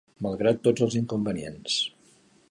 Malgrat tots els inconvenients